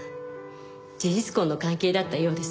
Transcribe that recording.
事実婚の関係だったようです。